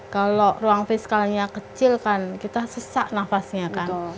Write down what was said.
kalau ruang fiskalnya kecil kan kita sesak nafasnya kan